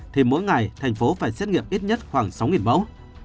thì mỗi ngày tp hcm phải xét nghiệm ít nhất khoảng sáu mẫu